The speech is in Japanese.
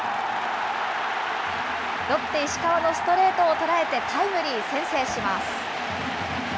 ロッテ、石川のストレートを捉えてタイムリー、先制します。